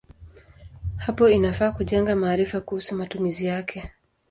Hapo inafaa kujenga maarifa kuhusu matumizi yake.